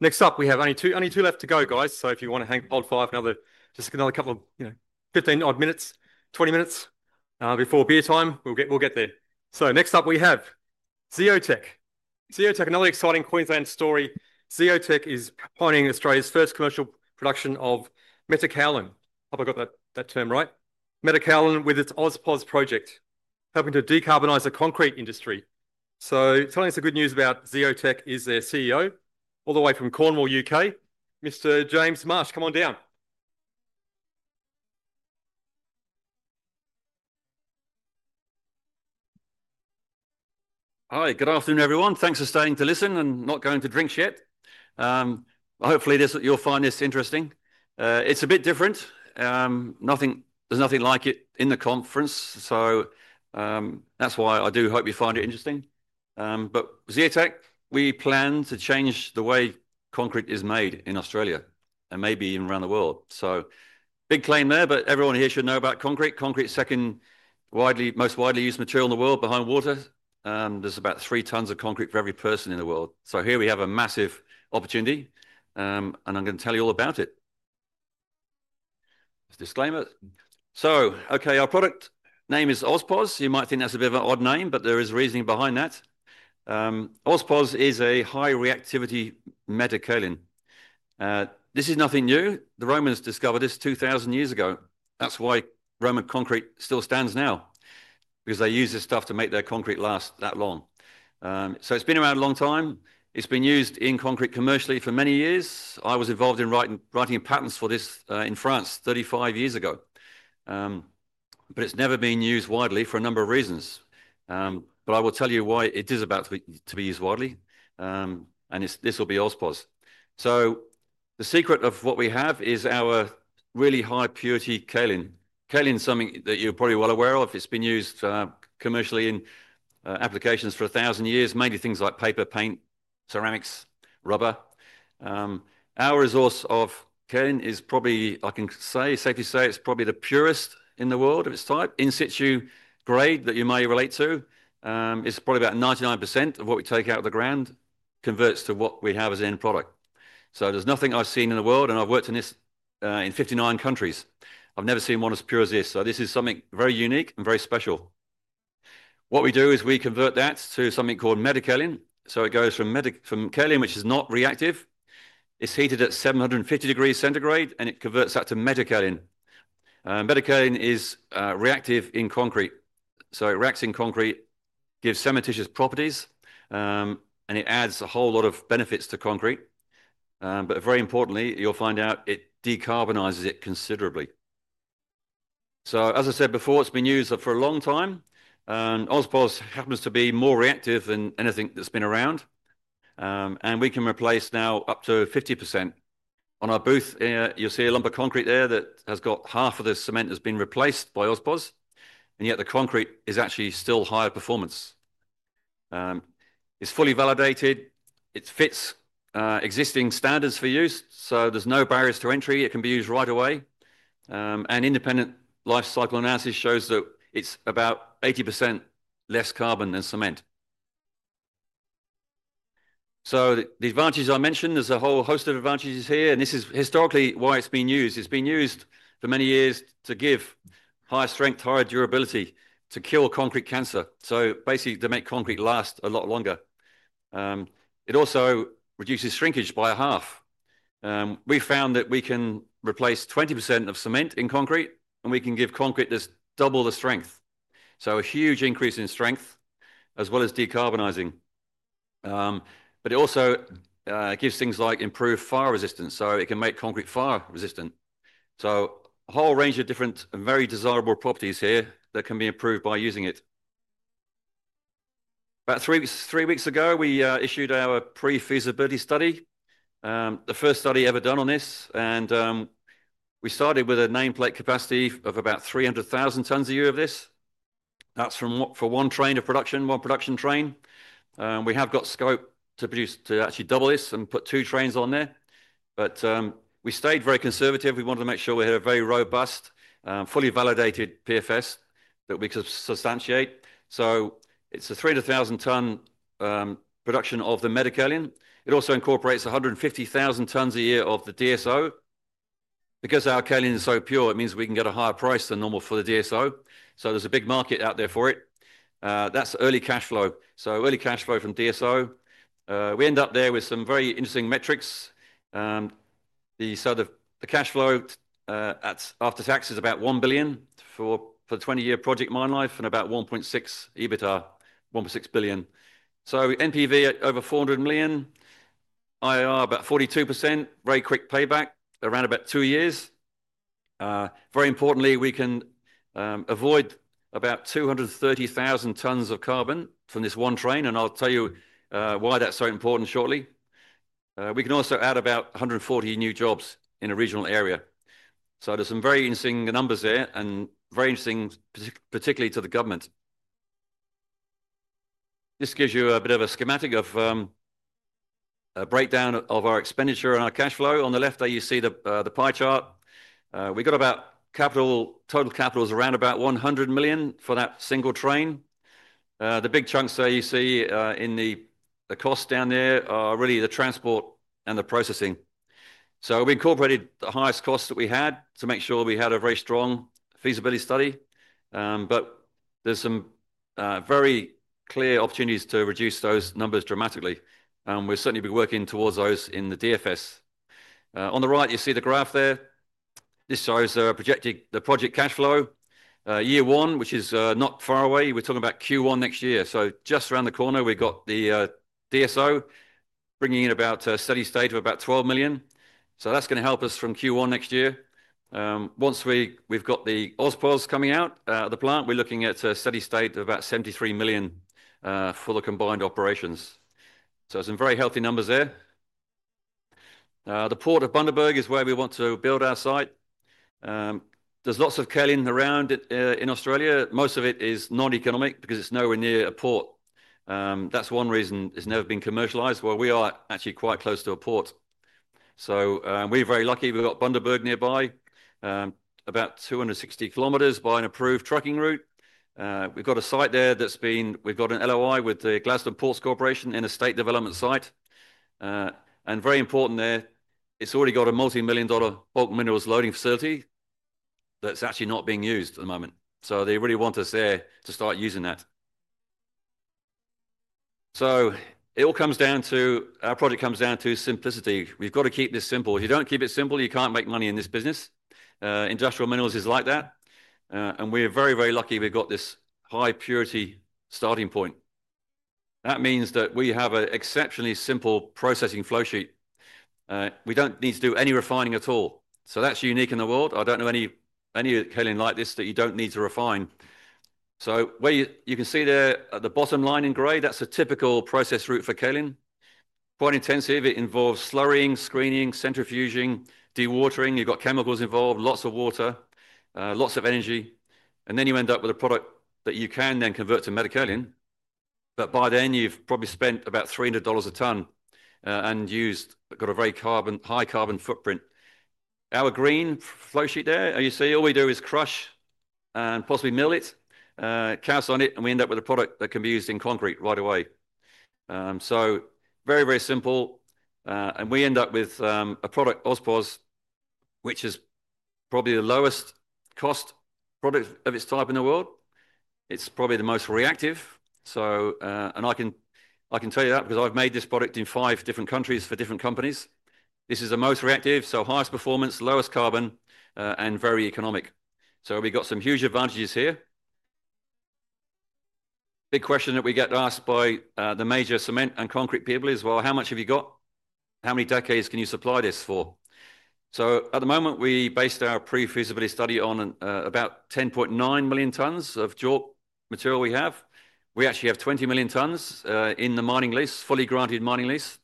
Next up, we have only two, only two left to go, guys. If you want to hang on another five, this is another couple of, you know, 15 odd minutes, 20 minutes, before beer time, we'll get there. Next up we have Zeotech. Zeotech, another exciting Queensland story. Zeotech is pioneering Australia's first commercial production of metakaolin. Hope I got that term right. Metakaolin with its AusPozz project, helping to decarbonize the concrete industry. Telling us the good news about Zeotech is their CEO, all the way from Cornwall, U.K. Mr. James Marsh, come on down. Hi, good afternoon everyone. Thanks for staying to listen and not going to drinks yet. Hopefully you'll find this interesting. It's a bit different. There's nothing like it in the conference. That's why I do hope you find it interesting. Zeotech, we plan to change the way concrete is made in Australia and maybe even around the world. Big claim there, but everyone here should know about concrete. Concrete, second most widely used material in the world, behind water. There's about three tons of concrete for every person in the world. Here we have a massive opportunity. I'm going to tell you all about it. Just disclaimer. Our product name is AusPozz. You might think that's a bit of an odd name, but there is reasoning behind that. AusPozz is a high-reactivity metakaolin. This is nothing new. The Romans discovered this 2,000 years ago. That's why Roman concrete still stands now. Because they use this stuff to make their concrete last that long. It's been around a long time. It's been used in concrete commercially for many years. I was involved in writing patents for this, in France 35 years ago. It's never been used widely for a number of reasons. I will tell you why it is about to be used widely, and this will be AusPozz. The secret of what we have is our really high purity kaolin. Kaolin is something that you're probably well aware of. It's been used commercially in applications for a thousand years, mainly things like paper, paint, ceramics, rubber. Our resource of kaolin is probably, I can safely say, it's probably the purest in the world of its type. In situ grade that you may relate to, it's probably about 99% of what we take out of the ground converts to what we have as an end product. There's nothing I've seen in the world, and I've worked in this, in 59 countries. I've never seen one as pure as this. This is something very unique and very special. What we do is we convert that to something called metakaolin. It goes from kaolin, which is not reactive. It's heated at 750 degrees centigrade, and it converts that to metakaolin. Metakaolin is reactive in concrete. It reacts in concrete, gives cementitious properties, and it adds a whole lot of benefits to concrete, but very importantly, you'll find out it decarbonizes it considerably. As I said before, it's been used for a long time. AusPozz happens to be more reactive than anything that's been around, and we can replace now up to 50%. On our booth, you'll see a lump of concrete there that has got half of the cement that's been replaced by AusPozz, and yet the concrete is actually still high performance. It's fully validated. It fits existing standards for use, so there's no barriers to entry. It can be used right away, and independent life cycle analysis shows that it's about 80% less carbon than cement. The advantages I mentioned, there's a whole host of advantages here, and this is historically why it's been used. It's been used for many years to give high strength, high durability, to cure concrete cancer, basically to make concrete last a lot longer. It also reduces shrinkage by 1/2. We found that we can replace 20% of cement in concrete, and we can give concrete this double the strength. A huge increase in strength, as well as decarbonizing, but it also gives things like improved fire resistance. It can make concrete fire resistant. A whole range of different and very desirable properties here that can be improved by using it. About three weeks ago, we issued our pre-feasibility study, the first study ever done on this, and we started with a nameplate capacity of about 300,000 tons a year of this. That's for one train of production, one production train. We have got scope to produce, to actually double this and put two trains on there. We stayed very conservative. We wanted to make sure we had a very robust, fully validated PFS that we could substantiate. It's a 300,000 ton production of the metakaolin. It also incorporates 150,000 tons a year of the DSO. Because our kaolin is so pure, it means we can get a higher price than normal for the DSO. There's a big market out there for it. That's early cash flow, so early cash flow from DSO. We end up there with some very interesting metrics. The sort of cash flow, at after tax is about 1 billion for the 20-year project mine life and about 1.6 billion EBITDA. NPV at over 400 million. IRR about 42%, very quick payback around about two years. Very importantly, we can avoid about 230,000 tons of carbon from this one train, and I'll tell you why that's so important shortly. We can also add about 140 new jobs in a regional area. There's some very interesting numbers there and very interesting, particularly to the government. This gives you a bit of a schematic of a breakdown of our expenditure and our cash flow. On the left, you see the pie chart. We got about capital, total capital is around about 100 million for that single train. The big chunks that you see in the cost down there are really the transport and the processing. We incorporated the highest costs that we had to make sure we had a very strong feasibility study. There's some very clear opportunities to reduce those numbers dramatically. We've certainly been working towards those in the DFS. On the right, you see the graph there. This shows the project cash flow. Year one, which is not far away. We're talking about Q1 next year. Just around the corner, we've got the DSO bringing in about a steady state of about 12 million. That's going to help us from Q1 next year. Once we've got the AusPozz coming out of the plant, we're looking at a steady state of about 73 million for the combined operations. Some very healthy numbers there. The Port of Bundaberg is where we want to build our site. There's lots of kaolin around in Australia. Most of it is non-economic because it's nowhere near a port. That's one reason it's never been commercialized where we are actually quite close to a port. We're very lucky. We've got Bundaberg nearby, about 260 kilometers by an approved trucking route. We've got a site there that's been, we've got an LOI with the Gladstone Ports Corporation in a state development site. Very important there, it's already got a multimillion dollar bulk minerals loading facility that's actually not being used at the moment. They really want us there to start using that. It all comes down to, our project comes down to simplicity. We've got to keep this simple. If you don't keep it simple, you can't make money in this business. Industrial minerals is like that. We're very, very lucky we've got this high purity starting point. That means that we have an exceptionally simple processing flow sheet. We don't need to do any refining at all. That's unique in the world. I don't know any kaolin like this that you don't need to refine. Where you can see there at the bottom line in gray, that's a typical process route for kaolin. Quite intensive. It involves slurrying, screening, centrifuging, dewatering. You've got chemicals involved, lots of water, lots of energy. You end up with a product that you can then convert to metakaolin. By then, you've probably spent about 300 dollars a ton, and you've got a very high carbon footprint. Our green flow sheet there, you see, all we do is crush and possibly mill it, cast on it, and we end up with a product that can be used in concrete right away. Very, very simple. We end up with a product, AusPozz, which is probably the lowest cost product of its type in the world. It's probably the most reactive. I can tell you that because I've made this product in five different countries for different companies. This is the most reactive, so highest performance, lowest carbon, and very economic. We've got some huge advantages here. Big question that we get asked by the major cement and concrete people is, how much have you got? How many decades can you supply this for? At the moment, we based our pre-feasibility study on about 10.9 million tons of job material we have. We actually have 20 million tons in the mining lease, fully granted mining lease.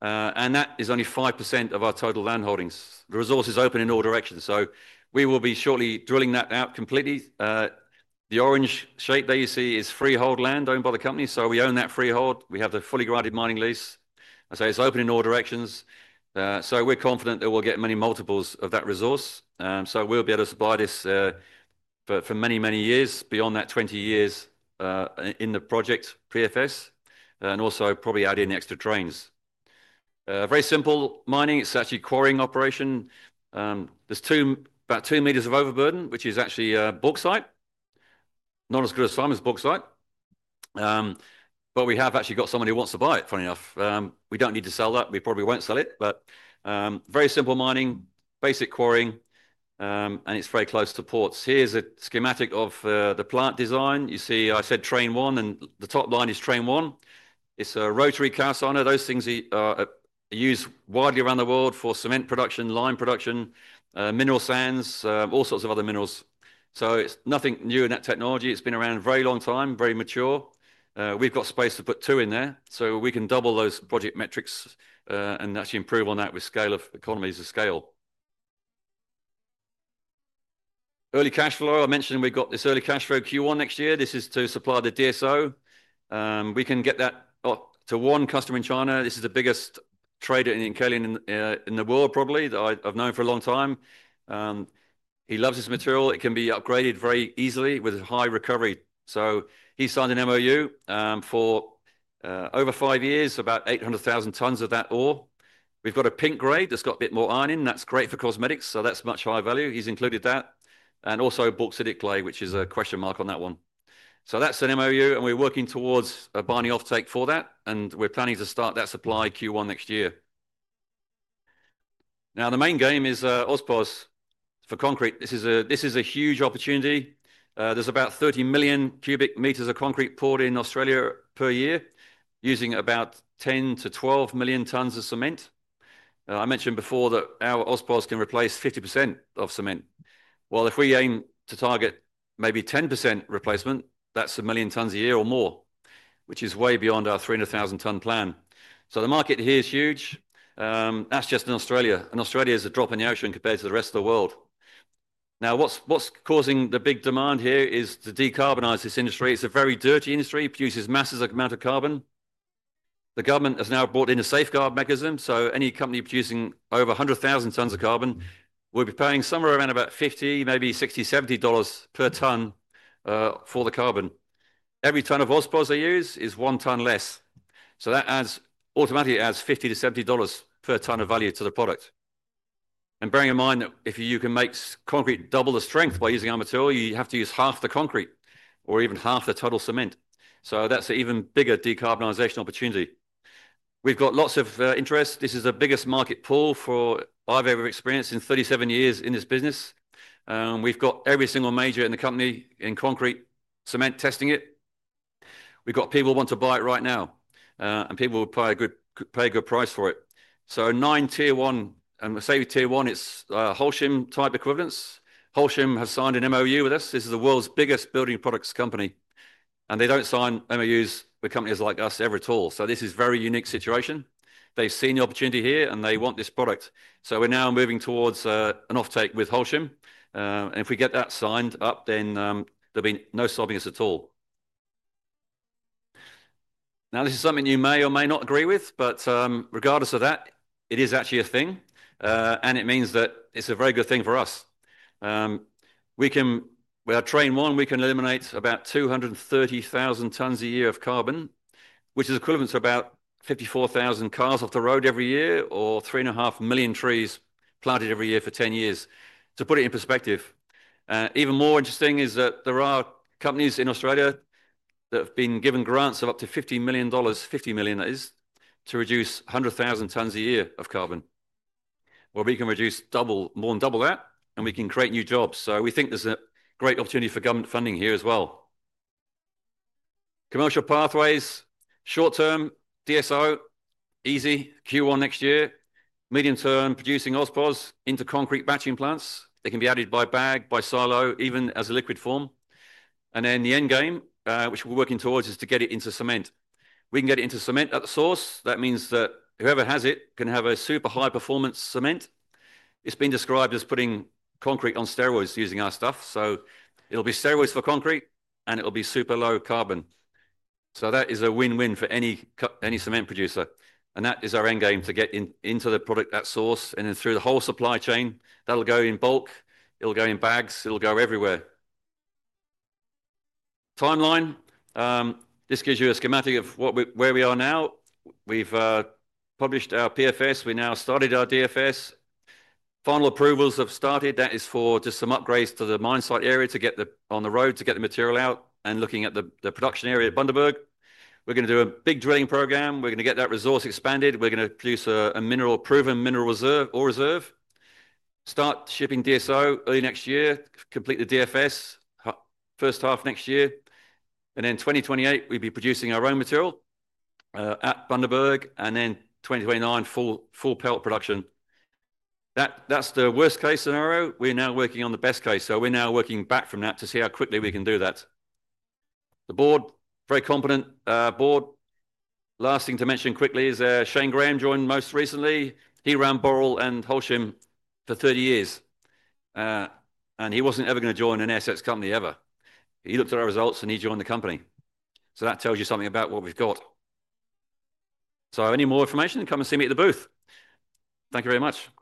That is only 5% of our total land holdings. The resource is open in all directions. We will be shortly drilling that out completely. The orange shape that you see is freehold land owned by the company. We own that freehold. We have the fully granted mining lease. I say it's open in all directions. We're confident that we'll get many multiples of that resource. We'll be able to buy this for many, many years beyond that 20 years in the project PFS and also probably add in the extra trains. Very simple mining. It's actually a quarrying operation. There's about two meters of overburden, which is actually a bulk site, not as good as Simon's bulk site. We have actually got somebody who wants to buy it, funny enough. We don't need to sell that. We probably won't sell it. Very simple mining, basic quarrying, and it's very close to ports. Here's a schematic of the plant design. You see, I said train one, and the top line is train one. It's a rotary cast ironer. Those things are used widely around the world for cement production, lime production, mineral sands, all sorts of other minerals. It's nothing new in that technology. It's been around a very long time, very mature. We've got space to put two in there. We can double those project metrics and actually improve on that with economies of scale. Early cash flow. I mentioned we've got this early cash flow Q1 next year. This is to supply the DSO. We can get that to one customer in China. This is the biggest trader in kaolin in the world, probably that I've known for a long time. He loves this material. It can be upgraded very easily with high recovery. He signed a Memorandum of Understanding for over five years, about 800,000 tons of that ore. We've got a pink grade that's got a bit more iron in. That's great for cosmetics. That's much higher value. He's included that and also bauxitic clay, which is a question mark on that one. That's a Memorandum of Understanding, and we're working towards a binding offtake for that. We're planning to start that supply Q1 next year. Now the main game is AusPozz for concrete. This is a huge opportunity. There's about 30 million cu m of concrete poured in Australia per year, using about 10 million-12 million tons of cement. I mentioned before that our AusPozz can replace 50% of cement. If we aim to target maybe 10% replacement, that's a million tons a year or more, which is way beyond our 300,000 ton plan. The market here is huge. That's just in Australia. Australia is a drop in the ocean compared to the rest of the world. What's causing the big demand here is to decarbonize this industry. It's a very dirty industry. It produces massive amounts of carbon. The government has now brought in a safeguard mechanism. Any company producing over 100,000 tons of carbon will be paying somewhere around about 50, maybe 60 dollars, 70 dollars per ton for the carbon. Every ton of AusPozz they use is one ton less. That adds automatically 50 to 70 dollars per ton of value to the product. Bearing in mind that if you can make concrete double the strength by using our material, you have to use half the concrete or even half the total cement. That's an even bigger decarbonization opportunity. We've got lots of interest. This is the biggest market pull I've ever experienced in 37 years in this business. We've got every single major in the company in concrete, cement testing it. We've got people who want to buy it right now, and people will pay a good, pay a good price for it. So nine tier one, and I say tier one, it's Holcim type equivalents. Holcim has signed an MOU with us. This is the world's biggest building products company, and they don't sign MOUs with companies like us ever at all. This is a very unique situation. They've seen the opportunity here, and they want this product. We're now moving towards an offtake with Holcim. If we get that signed up, then there'll be no stopping us at all. Now this is something you may or may not agree with, but regardless of that, it is actually a thing, and it means that it's a very good thing for us. We can, with our train one, eliminate about 230,000 tons a year of carbon, which is equivalent to about 54,000 cars off the road every year or 3.5 million trees planted every year for 10 years. To put it in perspective, even more interesting is that there are companies in Australia that have been given grants of up to 50 million dollars, 50 million that is, to reduce 100,000 tons a year of carbon. We can reduce double, more than double that, and we can create new jobs. We think there's a great opportunity for government funding here as well. Commercial pathways, short term, DSO, easy, Q1 next year. Medium term, producing AusPozz into concrete batching plants. They can be added by bag, by silo, even as a liquid form. The end game, which we're working towards, is to get it into cement. We can get it into cement at the source. That means that whoever has it can have a super high performance cement. It's been described as putting concrete on steroids using our stuff. It'll be steroids for concrete, and it'll be super low carbon. That is a win-win for any cement producer. That is our end game to get into the product at source. Through the whole supply chain, that'll go in bulk. It'll go in bags. It'll go everywhere. Timeline. This gives you a schematic of where we are now. We've published our PFS. We now started our DFS. Final approvals have started. That is for just some upgrades to the mine site area to get on the road to get the material out and looking at the production area at Bundaberg. We're going to do a big drilling program. We're going to get that resource expanded. We're going to produce a proven mineral reserve. Start shipping DSO early next year. Complete the DFS first half next year. In 2028, we'd be producing our own material at Bundaberg. In 2029, full pelt production. That's the worst case scenario. We're now working on the best case. We're now working back from that to see how quickly we can do that. The board, very competent board. Last thing to mention quickly is Shane Graham joined most recently. He ran Boral and Holcim for 30 years. He wasn't ever going to join an assets company ever. He looked at our results and he joined the company. That tells you something about what we've got. Any more information, come and see me at the booth. Thank you very much.